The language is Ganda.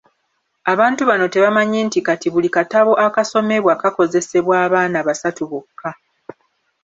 Abantu bano tebamanyi nti kati buli katabo akasomebwa kakozesebwa abaana basatu bokka.